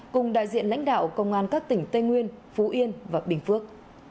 cùng đại diện lãnh đạo công an các tỉnh tây nguyên phú yên và bình phước